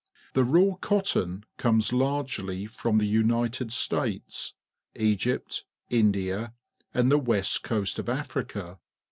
The . raw cottoji comes largely from the United States,^ Egyp^India, and the west coast of Africa.